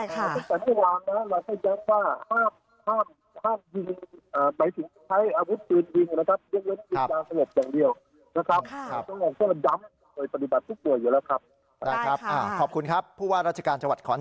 แต่ผมคิดว่าคงอยู่ในช่วง๓๒ในระทับอุทยานภาพภักษ์เนี่ย